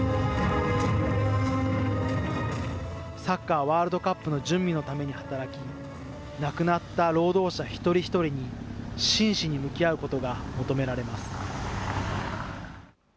サッカーワールドカップの準備のために働き、亡くなった労働者一人一人に真摯に向き合うことが求められます。